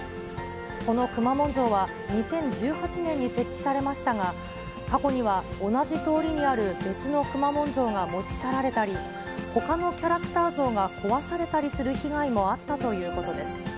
このくまモン像は２０１８年に設置されましたが、過去には、同じ通りにある別のくまモン像が持ち去られたり、ほかのキャラクター像が壊されたりする被害もあったということです。